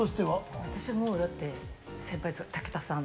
私もう、だって、武田さん。